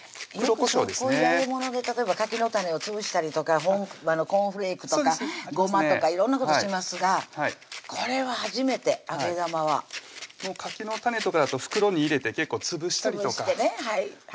こういう揚げ物で例えば柿の種を潰したりとかコーンフレークとかごまとか色んなことしますがこれは初めて揚げ玉は柿の種とかだと袋に入れて結構潰したりとかしますね